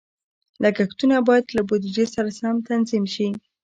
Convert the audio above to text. لګښتونه باید له بودیجې سره سم تنظیم شي.